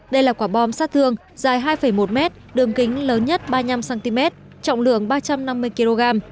đây là quả bom sát thương dài hai một mét đường kính lớn nhất ba mươi năm cm trọng lượng ba trăm năm mươi kg